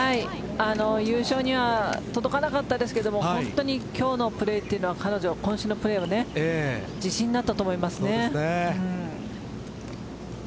優勝には届かなかったですけど今日のプレーは彼女こん身のプレーを自信になったと思います。